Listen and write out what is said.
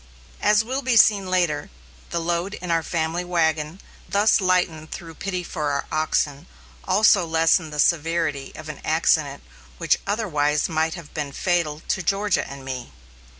As will be seen later, the load in our family wagon thus lightened through pity for our oxen, also lessened the severity of an accident which otherwise might have been fatal to Georgia and me.